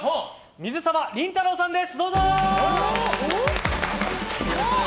水沢林太郎さんです。